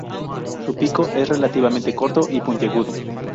Su pico es relativamente corto y puntiagudo.